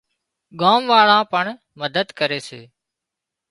ڳام واۯان پڻ مدد ڪري سي